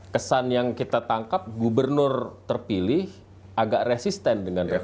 kesan yang kita tangkap gubernur terpilih agak resisten dengan reputasi